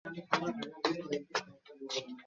সে আমার ভালো মনে নেই।